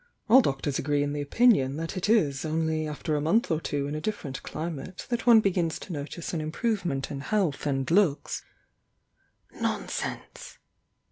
All doctors agree in the opinion that it is only after a month or two in a different climate that one begins to notice an im provement in health and looks " "Nonsense!"